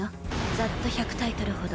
ざっと１００タイトルほど。